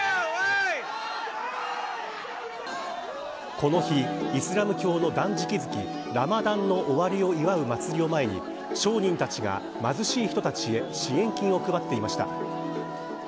この日、イスラム教の断食月ラマダンの終わりを祝う祭りを前に商人たちが貧しい人たちへ支援金を配っていました。